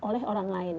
oleh orang lain